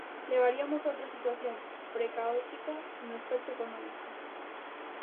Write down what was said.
Levaríanos a outra situación precaótica no aspecto económico.